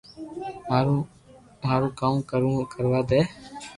مارو مارو ڪوم ڪروا دي